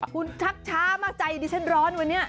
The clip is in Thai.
คุณชักช้ามากใจดิฉันร้อนวันนี้